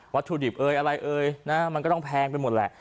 ถุดิบเอ่ยอะไรเอ่ยนะมันก็ต้องแพงไปหมดแหละ